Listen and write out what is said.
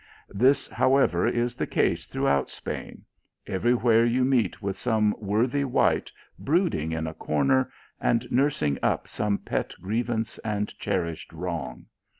This, however, is the case throughout Spain : every \vhere you meet with some worthy wight brooding in a corner, and nursing up some pet grievance and cherished wrong.